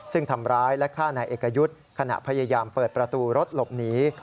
ซึ่งทำร้ายและฆ่านายเอกยุทธ์ขณะพยายามเปิดประตูรถหลบหนี